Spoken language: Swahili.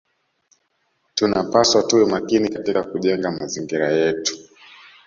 Tunapaswa tuwe makini katika kujenga mazingira yetu